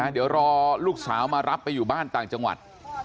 เดี๋ยวรอลูกสาวมารับไปอยู่บ้านต่างจังหวัด